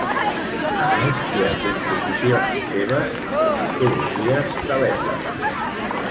A més hi ha composicions seves en les antologies de l’època.